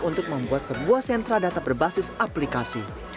untuk membuat sebuah sentra data berbasis aplikasi